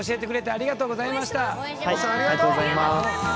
ありがとうございます。